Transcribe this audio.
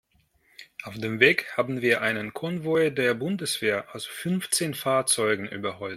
Auf dem Weg haben wir einen Konvoi der Bundeswehr aus fünfzehn Fahrzeugen überholt.